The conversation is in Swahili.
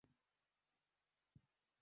Hakuna suluhisho zuri kushinda hili.